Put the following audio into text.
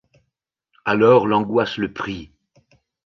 Alors l’angoisse le prit.